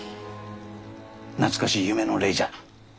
懐かしい夢の礼じゃ。